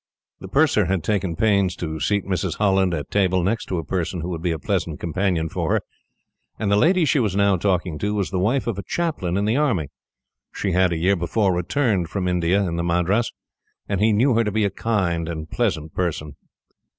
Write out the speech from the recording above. The purser had taken pains to seat Mrs. Holland, at table, next to a person who would be a pleasant companion for her; and the lady she was now talking to was the wife of a chaplain in the army. She had, a year before, returned from India in the Madras, and he knew her to be a kind and pleasant woman.